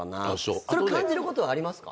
それ感じることはありますか？